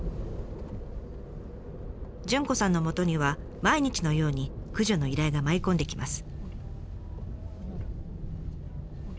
潤子さんのもとには毎日のように駆除の依頼が舞い込んできます。